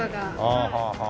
はあはあはあ。